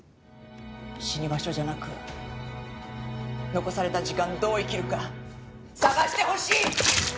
死に場所じゃなく残された時間どう生きるか探してほしい！